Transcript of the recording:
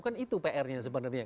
kan itu pr nya sebenarnya